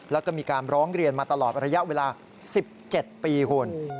แล้วก็มีการร้องเรียนมาตลอดระยะเวลา๑๗ปีคุณ